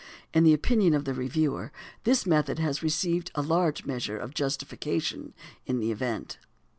In the opinion of the reviewer, this method has received a large measure of justification in the event, (e.